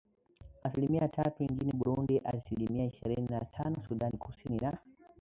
asilimia tatu nchini Burundi asilimia ishirni na tano Sudan Kusini na